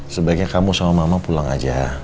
sebaiknya kamu sama mama pulang aja